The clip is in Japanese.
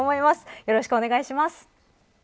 よろしくお願いします。